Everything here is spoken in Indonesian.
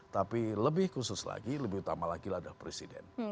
tapi lebih khusus lagi lebih utama lagi ladah presiden